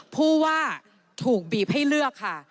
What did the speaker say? ผู้ว่าถูกบีบให้เลือกค่ะ